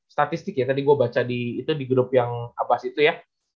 statistik ya tadi gue baca di itu di grup yang abbas itu ya